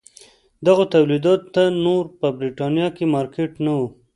دغو تولیداتو ته نور په برېټانیا کې مارکېټ نه و.